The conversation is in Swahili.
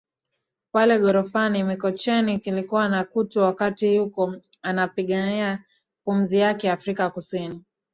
pale ghorofani mikocheni kilikuwa na kutu wakati yuko anapigania pumzi yake Afrika kusini